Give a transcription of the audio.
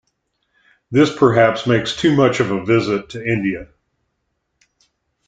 This perhaps makes too much of a visit to India.